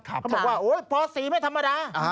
เขาบอกว่าปศรีไม่ธรรมดา